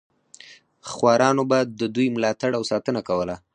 خوارانو به د دوی ملاتړ او ساتنه کوله.